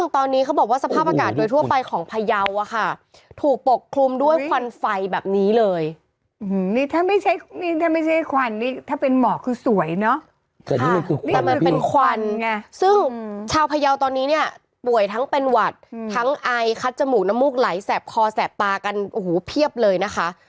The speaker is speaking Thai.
แต่มันเป็นควันซึ่งชาวพยาวตอนนี้เนี่ยป่วยทั้งเป็นหวัดทั้งไอคัดจมูกน้ำมูกไหลแสบคอแสบตากันโอ้โหเพียบเลยนะคะ